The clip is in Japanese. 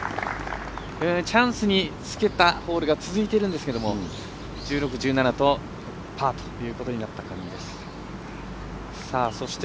チャンスにつけたホールが続いているんですけど１６、１７とパーということになりました。